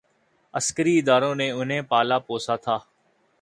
عسکری اداروں نے انہیں پالا پوسا تھا۔